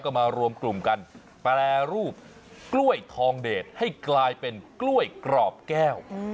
ก็มารวมกลุ่มกันแปรรูปกล้วยทองเดชให้กลายเป็นกล้วยกรอบแก้ว